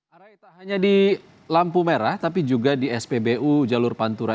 arai tak hanya di lampu merah tapi juga di spbu jalur pantura